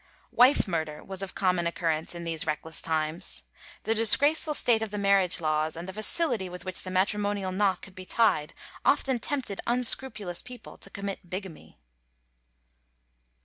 Wife murder was of common occurrence in these reckless times. The disgraceful state of the marriage laws, and the facility with which the matrimonial knot could be tied, often tempted unscrupulous people to commit bigamy.